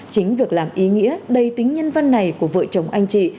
chính việc làm ý nghĩa đầy tính nhân văn này của vợ chồng anh chị